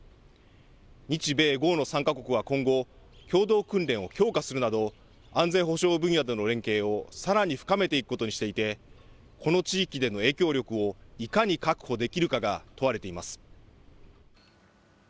日米豪の３か国は今後、共同訓練を強化するなど、安全保障分野での連携をさらに深めていくことにしていて、この地域での影響力をいかに確保できるかが問われています。